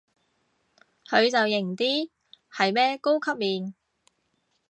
佢就型啲，係咩高級面